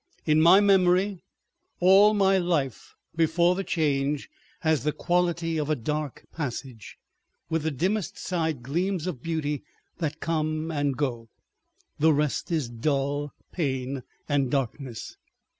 In my memory all my life before the Change has the quality of a dark passage, with the dimmest side gleams of beauty that come and go. The rest is dull pain and darkness.